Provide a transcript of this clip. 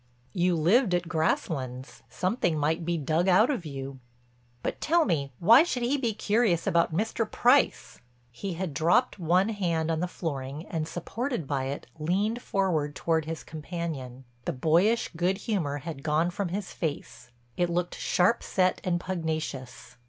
"You lived at Grasslands. Something might be dug out of you." "But tell me, why should he be curious about Mr. Price?" He had dropped one hand on the flooring and supported by it leaned forward toward his companion. The boyish good humor had gone from his face; it looked sharp set and pugnacious.